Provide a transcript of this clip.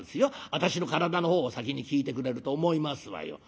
私の体の方を先に聞いてくれると思いますわよ」。